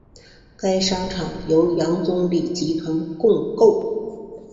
该商场由杨忠礼集团共构。